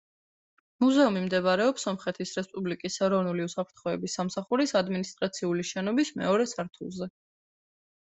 მუზეუმი მდებარეობს სომხეთის რესპუბლიკის ეროვნული უსაფრთხოების სამსახურის ადმინისტრაციული შენობის მეორე სართულზე.